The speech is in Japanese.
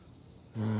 うん。